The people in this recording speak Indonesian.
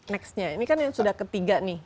nextnya ini kan yang sudah ketiga nih